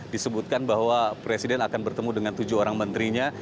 disebutkan bahwa presiden akan bertemu dengan tujuh orang menterinya